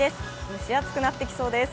蒸し暑くなってきそうです。